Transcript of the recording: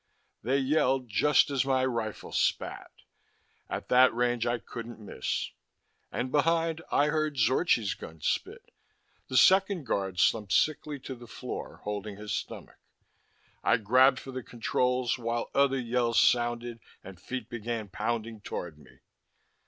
They yelled, just as my rifle spat. At that range, I couldn't miss. And behind, I heard Zorchi's gun spit. The second guard slumped sickly to the floor, holding his stomach. I grabbed for the controls, while other yells sounded, and feet began pounding toward me.